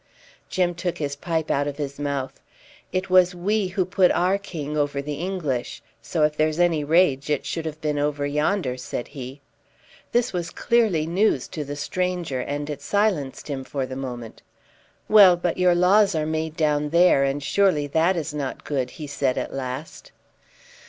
Jim took his pipe out of his mouth. "It was we who put our king over the English; so if there's any rage, it should have been over yonder," said he. This was clearly news to the stranger, and it silenced him for the moment. "Well, but your laws are made down there, and surely that is not good," he said at last.